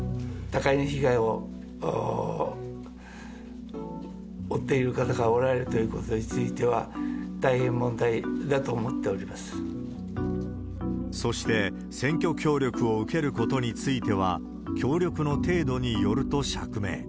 多大な被害を負っている方がおられるということについては、そして、選挙協力を受けることについては、協力の程度によると釈明。